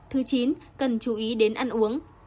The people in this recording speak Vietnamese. thứ chín cần chú ý đến ăn uống